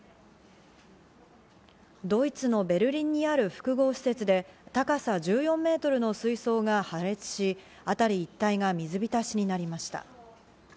ドイツのベルリンにある複合施設で、高さ１４メートルの水槽が破裂し、あたり一帯が水浸しになりました。